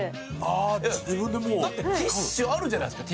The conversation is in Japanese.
だってティッシュあるじゃないですか。